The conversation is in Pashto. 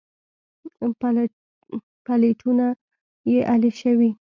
پلېټونه يې الېشوي.